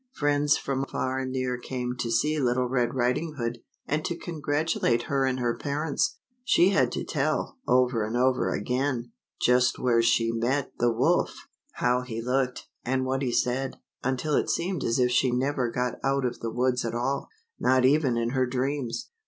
Friends from far and near came to see Little Red Riding Hood, and to congratulate her and her parents. She had to tell, over and over again, just where she met the wolf, how LITTLE RED RIDING HOOD . he looked, and what he said, until it seemed as if she never got out of the woods at all, not even in her dreams.